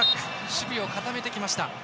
守備を固めてきました。